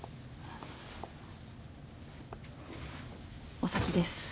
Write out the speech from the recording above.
お先です。